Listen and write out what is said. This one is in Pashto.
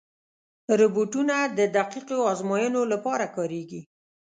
روبوټونه د دقیقو ازموینو لپاره کارېږي.